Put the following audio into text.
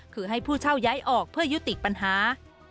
คือให้ผู้เช่าย้ายออกเพื่อยุติปัญหา